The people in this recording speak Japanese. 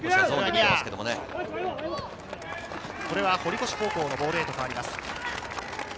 これは堀越高校のボールへと変わります。